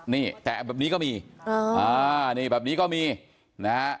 นี่แต่แบบนี้ก็มีอ๋ออ๋อนี่แบบนี้ก็มีเป็นฮะ